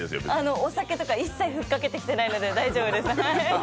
お酒とか一切ふっかけてきてないので、大丈夫です。